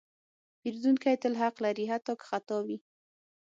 پیرودونکی تل حق لري، حتی که خطا وي.